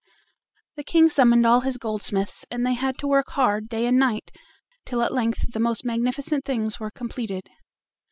The King summoned all his goldsmiths, and they had to work hard day and night, till at length the most magnificent things were completed.